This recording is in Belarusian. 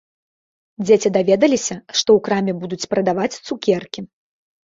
Дзеці даведаліся, што ў краме будуць прадаваць цукеркі.